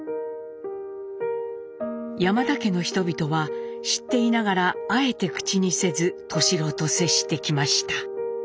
山田家の人々は知っていながらあえて口にせず敏郎と接してきました。